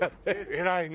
偉いね！